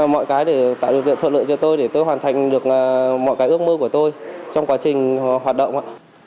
mọi cái để tạo điều kiện thuận lợi cho tôi để tôi hoàn thành được mọi cái ước mơ của tôi trong quá trình hoạt động